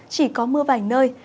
chỉ có mưa vài nơi